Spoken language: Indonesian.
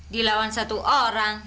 dilawan satu orang